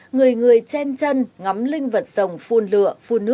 người người chen chân ngắm linh vật sông phun lửa